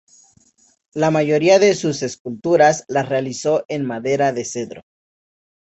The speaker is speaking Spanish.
La mayoría de sus esculturas las realizó en madera de cedro.